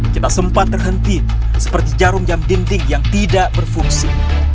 kita sempat terhenti seperti jarum jam dinding yang tidak berfungsi